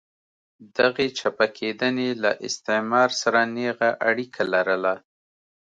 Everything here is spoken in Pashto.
دغې چپه کېدنې له استعمار سره نېغه اړیکه لرله.